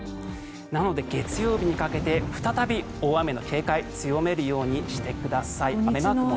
なので、月曜日にかけて再び大雨への警戒強めるようにしてください。